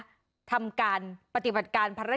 ก็คือเธอนี่มีความเชี่ยวชาญชำนาญ